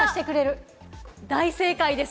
大正解です。